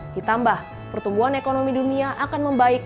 ditambah pertumbuhan ekonomi dunia akan membaik